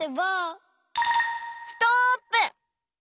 ストップ！